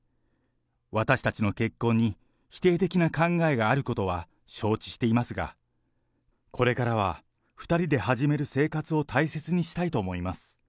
私たちの結婚に否定的な考えがあることは承知していますが、これからは２人で始める生活を大切にしたいと思います。